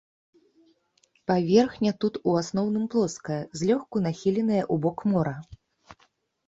Паверхня тут у асноўным плоская, злёгку нахіленая ў бок мора.